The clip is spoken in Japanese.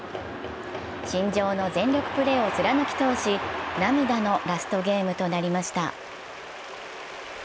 信条の全力プレーを貫き通し、涙のラストゲームとなりました。